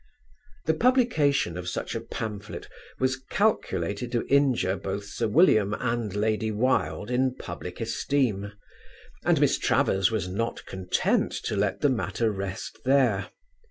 The publication of such a pamphlet was calculated to injure both Sir William and Lady Wilde in public esteem, and Miss Travers was not content to let the matter rest there.